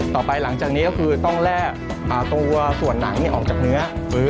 หลังจากนี้ก็คือต้องแลกตัวส่วนหนังออกจากเนื้อ